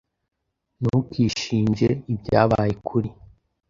Ntukishinje ibyabaye kuri .